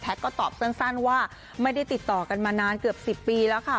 ก็ตอบสั้นว่าไม่ได้ติดต่อกันมานานเกือบ๑๐ปีแล้วค่ะ